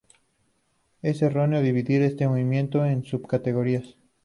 Es erróneo dividir este movimiento en sub-categorías.